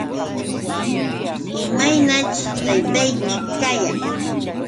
¿Imaynaćh taytayki kayan?